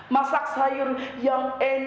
masak sayur yang enak